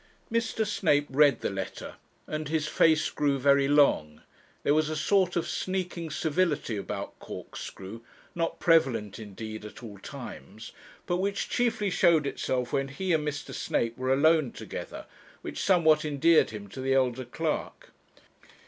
Mr. Snape read the letter, and his face grew very long. There was a sort of sneaking civility about Corkscrew, not prevalent indeed at all times, but which chiefly showed itself when he and Mr. Snape were alone together, which somewhat endeared him to the elder clerk.